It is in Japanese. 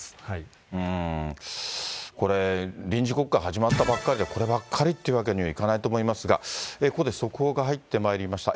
これ、臨時国会始まったばっかりで、こればっかりっていうわけにはいかないと思いますが、ここで速報が入ってまいりました。